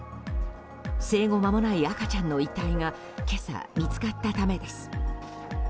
生後まもない赤ちゃんの遺体が今朝、見つかったためです。